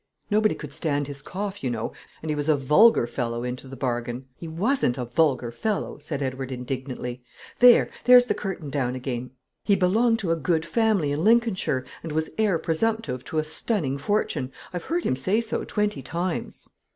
"Nobody could stand his cough, you know; and he was a vulgar fellow, into the bargain." "He wasn't a vulgar fellow," said Edward indignantly; "there, there's the curtain down again; he belonged to a good family in Lincolnshire, and was heir presumptive to a stunning fortune. I've heard him say so twenty times."